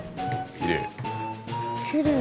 きれい。